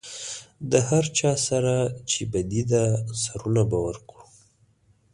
د هر چا سره چې بدي ده سرونه به ورکړو.